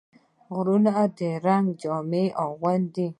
غرونه د رنګونو جامه اغوندي